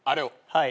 はい。